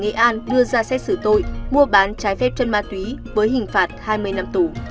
nghệ an đưa ra xét xử tội mua bán trái phép chân ma túy với hình phạt hai mươi năm tù